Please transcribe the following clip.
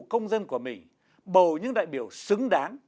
công dân của mình bầu những đại biểu xứng đáng